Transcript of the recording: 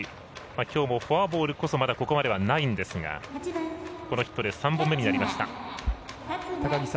きょうもフォアボールこそまだここまでないんですがこのヒットで３本目になりました。